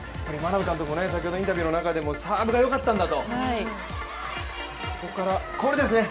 眞鍋監督も、先ほどのインタビューの中でもサーブがよかったんだと。